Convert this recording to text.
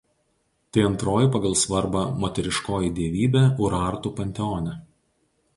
Tai antroji pagal svarbą moteriškoji dievybė urartų panteone.